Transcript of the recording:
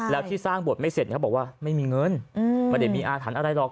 แล้วที่สร้างบทไม่เสร็จเขาบอกว่าไม่มีเงินไม่ได้มีอาถรรพ์อะไรหรอก